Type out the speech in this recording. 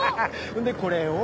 でこれを。